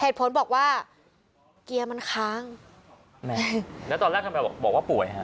เหตุผลบอกว่าเกียร์มันค้างแหมแล้วตอนแรกทำไมบอกว่าป่วยฮะ